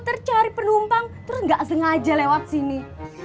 puter puter cari penumpang terus gak sengaja lewat sini